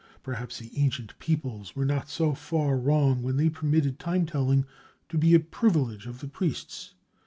Perhaps the ancient peoples were not so far wrong when they permitted time telling to be a privilege of the priests.